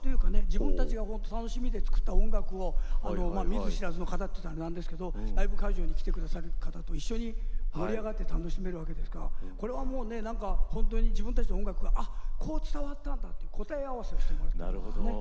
自分たちがほんと楽しみで作った音楽をまあ見ず知らずの方と言ったらなんですけどライブ会場に来てくださる方と一緒に盛り上がって楽しめるわけですからこれはもうねなんか本当に自分たちの音楽があっこう伝わったんだという答え合わせをしてもらってますね。